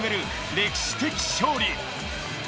歴史的勝利。